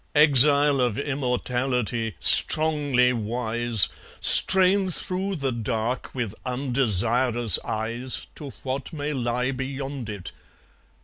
Exile of immortality, strongly wise, Strain through the dark with undesirous eyes To what may lie beyond it.